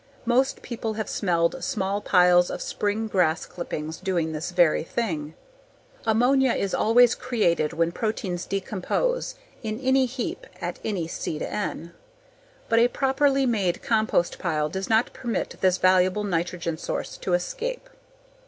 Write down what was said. Most people have smelled small piles of spring grass clippings doing this very thing. Ammonia is always created when proteins decompose in any heap at any C/N. But a properly made compost pile does not permit this valuable nitrogen source to escape.